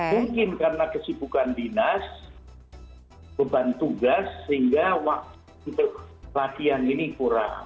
mungkin karena kesibukan dinas beban tugas sehingga waktu untuk latihan ini kurang